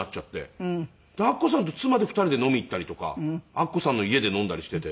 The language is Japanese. アッコさんと妻で２人で飲みに行ったりとかアッコさんの家で飲んだりしていて。